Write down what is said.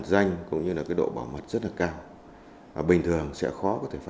danh cũng như là cái độ bảo mật rất là cao và bình thường sẽ khó tìm hiểu về các loại tội phạm